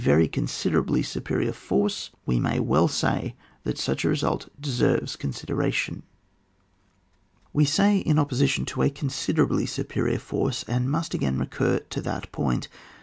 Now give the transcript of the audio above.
very coneiderablj superior force, we may weU say that such a result deserves con sideration. We say, in opposition to a considerahlf superior forcdy and must again recur to that point.